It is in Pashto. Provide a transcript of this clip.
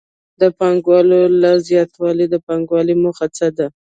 د پانګې له زیاتوالي د پانګوال موخه څه ده